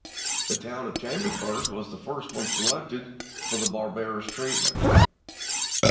The town of Chamber sburg was the first one selected for that barbarous treatment.